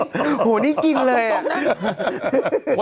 เออบอกตอนเบรก